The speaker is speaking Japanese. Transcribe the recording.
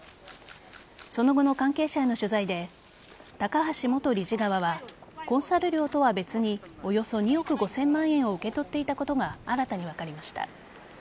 その後の関係者への取材で高橋元理事側はコンサル料とは別におよそ２億５０００万円を受け取っていたことが新たに分かりました。